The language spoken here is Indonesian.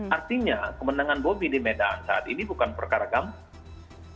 artinya kemenangan bobi di medan saat ini bukan perkara gampang